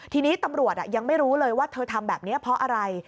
ทีนี้ตำรวจยังไม่รู้เลยว่าเธอทำแบบนี้เพราะอะไร